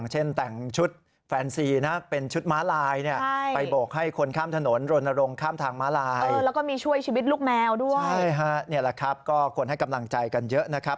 ใช่ครับนี่แหละครับก็ควรให้กำลังใจกันเยอะนะครับ